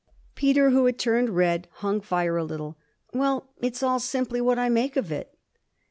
Peter, who had turned red, hung fire a little. 'Well it's all simply what I make of it.'